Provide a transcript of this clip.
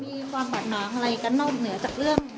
มีความบาดหมางอะไรกันนอกเหนือจากเรื่อง